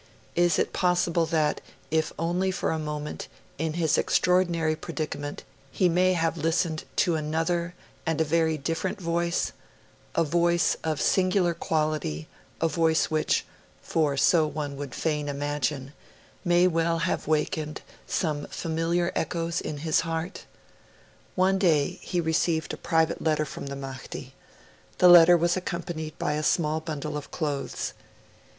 Is it possible that, if only for a moment, in his extraordinary predicament, he may have listened to another and a very different voice a voice of singular quality, a voice which for so one would fain imagine may well have wakened some familiar echoes in his heart? One day, he received a private letter from the Mahdi. The letter was accompanied by a small bundle of clothes.